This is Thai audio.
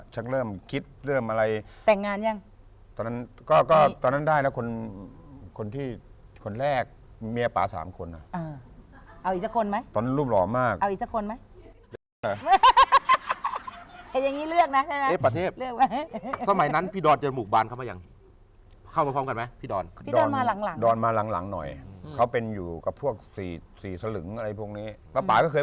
ก็เกิดเสียบาปพวกนั้นแล้วก็ใช้ชื่อนี้เลยแล้วก็ใช้ชื่อนี้ในวงการเลย